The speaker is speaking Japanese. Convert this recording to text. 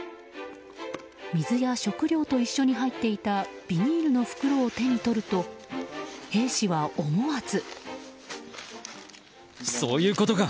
水や食料と一緒に入っていたビニールの袋を手に取ると兵士は思わず。